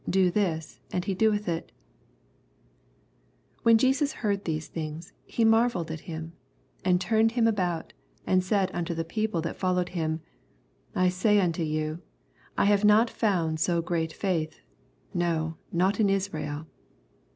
Do this, and he doeth U» 9 When Jesus heard these things, he marvelled at him, and turned him about, and said unto the people that followed him, I say unto you, I have not found so great faith, noj not in Israel.